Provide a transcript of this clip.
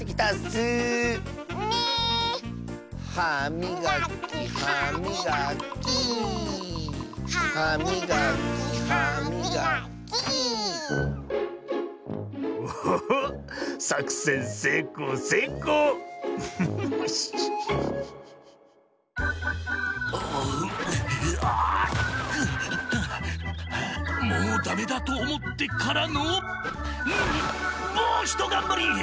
はあもうダメだとおもってからのもうひとがんばり！